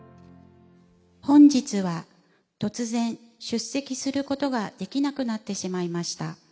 本日は突然、出席することができなくなってしまいました。